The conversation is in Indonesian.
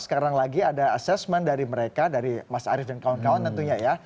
sekarang lagi ada assessment dari mereka dari mas arief dan kawan kawan tentunya ya